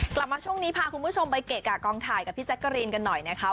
กลับมาช่วงนี้พาคุณผู้ชมไปเกะกะกองถ่ายกับพี่แจ๊กกะรีนกันหน่อยนะคะ